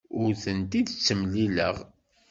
Ur tent-id-ttemlileɣ.